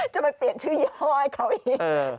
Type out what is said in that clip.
จะไปเปลี่ยนชื่อยี่ห้อให้เขาอีก